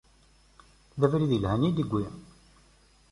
D abrid yelhan i d-iwwi.